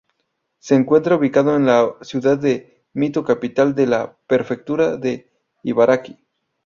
Se encuentra ubicado en la ciudad de Mito capital de la Prefectura de Ibaraki.